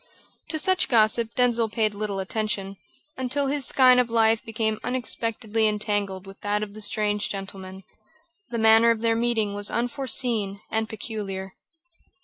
To such gossip Denzil paid little attention, until his skein of life became unexpectedly entangled with that of the strange gentleman. The manner of their meeting was unforeseen and peculiar.